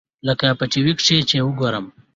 لکه په ټي وي کښې چې يې وګورې.